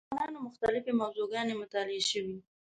د انسانانو مختلفې موضوع ګانې مطالعه شوې.